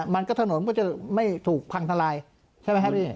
มันก็ถนนก็จะไม่ถูกพังทลายใช่ไหมครับพี่